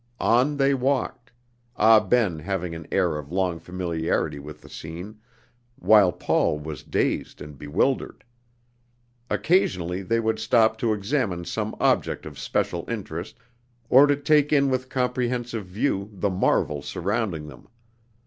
On they walked; Ah Ben having an air of long familiarity with the scene, while Paul was dazed and bewildered. Occasionally they would stop to examine some object of special interest or to take in with comprehensive view the marvels surrounding them.